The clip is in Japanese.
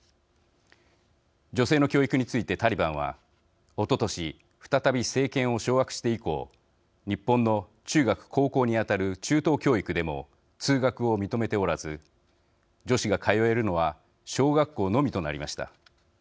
女性の教育についてタリバンはおととし再び政権を掌握して以降日本の中学・高校に当たる中等教育でも通学を認めておらず女子が通えるのは小学校のみとなりました。